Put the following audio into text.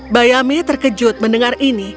bayame terkejut mendengar ini